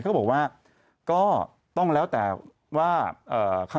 เขาบอกว่าก็ต้องแล้วแต่ว่าข้าง